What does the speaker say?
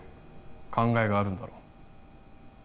考えがあるんだろ？